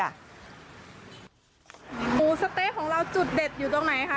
หมูสะเต๊ะของเราจุดเด็ดอยู่ตรงไหนคะ